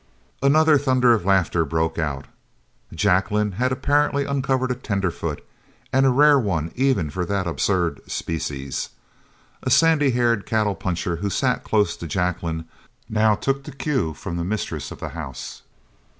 Another thunder of laughter broke out. Jacqueline had apparently uncovered a tenderfoot, and a rare one even for that absurd species. A sandy haired cattle puncher who sat close to Jacqueline now took the cue from the mistress of the house.